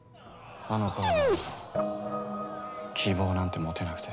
あの頃の俺は希望なんて持てなくて。